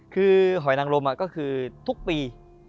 คือหอยนังลมก็คือทุกปี